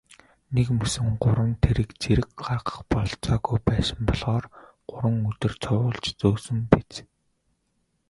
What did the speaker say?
Нэгмөсөн гурван тэрэг зэрэг гаргах бололцоогүй байсан болохоор гурван өдөр цувуулж зөөсөн биз.